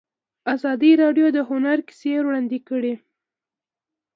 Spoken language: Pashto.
ازادي راډیو د هنر کیسې وړاندې کړي.